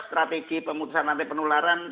strategi pemutusan nanti penularan